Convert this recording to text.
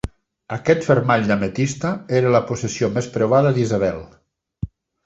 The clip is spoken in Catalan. Aquest fermall d'ametista era la possessió més preuada d'Isabelle.